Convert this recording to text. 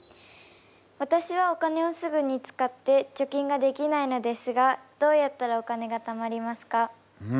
わたしはお金をすぐに使って貯金ができないのですがどうやったらお金が貯まりますか？